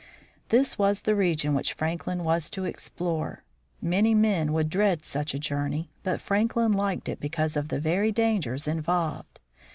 This was the region which Franklin was to explore. Many men would dread such a journey, but Franklin liked it because of the very dangers involved.